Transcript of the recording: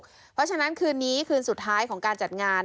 เพราะฉะนั้นคืนนี้คืนสุดท้ายของการจัดงาน